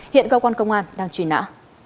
hiện cơ quan công an đang truy nã